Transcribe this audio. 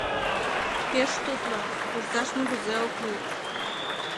Пеш тутло, вурсаш нигузе ок лий.